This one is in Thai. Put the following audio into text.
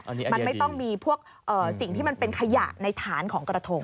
อันนี้มันไม่ต้องมีพวกสิ่งที่มันเป็นขยะในฐานของกระทง